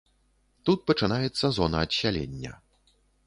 Тут пачынаецца зона адсялення.